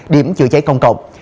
điểm chữa cháy công cộng